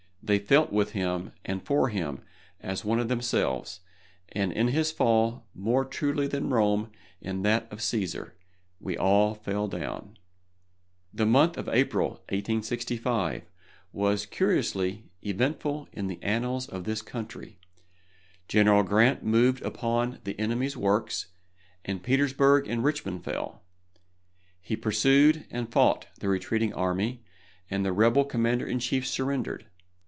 They felt with him and for him as one of themselves, and in his fall, more truly than Rome in that of Cæsar, we all fell down. The month of April, 1865, was curiously eventful in the annals of this country. General Grant moved upon the enemy's works, and Petersburg and Richmond fell. He pursued and fought the retreating army, and the rebel commander in chief surrendered.